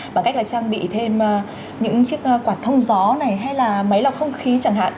bằng cách là trang bị thêm những chiếc quạt thông gió này hay là máy lọc không khí chẳng hạn